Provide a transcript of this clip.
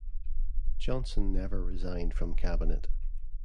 Johnson never resigned from cabinet.